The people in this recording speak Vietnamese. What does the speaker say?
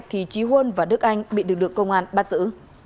thì trí huân và đức anh bị được được công an bắt giữ